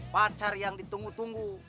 pacar yang ditunggu tunggu